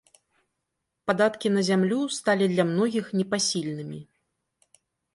Падаткі на зямлю сталі для многіх непасільнымі.